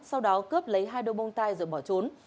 sau đó cướp lấy hai đôi bông tai rồi bỏ trốn